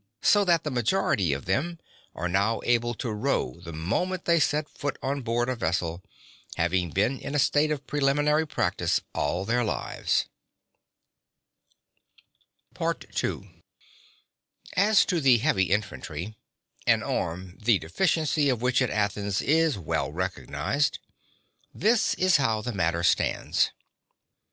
So that the majority of them are able to row the moment they set foot on board a vessel, having been in a state of preliminary practice all their lives. (50) See "Mem." II. viii. 1. (51) See "Hell." VII. i. 4. II As to the heavy infantry, an arm the deficiency of which at Athens is well recognised, this is how the matter stands.